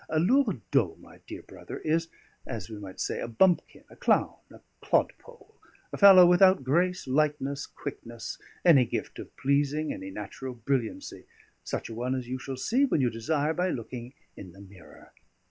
A lourdaud, my dear brother, is as we might say a bumpkin, a clown, a clodpole: a fellow without grace, lightness, quickness; any gift of pleasing, any natural brilliancy: such a one as you shall see, when you desire, by looking in the mirror.